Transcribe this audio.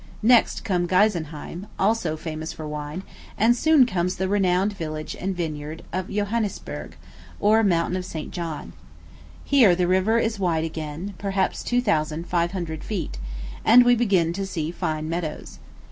Next comes Geisenheim, also famous for wine, and soon comes the renowned village and vineyard of Johannisberg, or Mountain of St. John. Here the river is wide again, perhaps two thousand fire hundred feet, and we begin to see fine meadows.